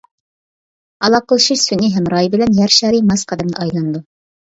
ئالاقىلىشىش سۈنئىي ھەمراھى بىلەن يەر شارى ماس قەدەمدە ئايلىنىدۇ.